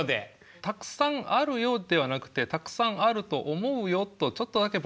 「たくさんあるよ」ではなくて「たくさんあると思うよ」とちょっとだけぼやかして推測してる部分が